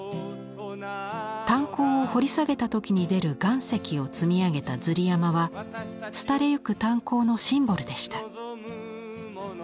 炭鉱を掘り下げた時に出る岩石を積み上げたズリ山は廃れゆく炭鉱のシンボルでした。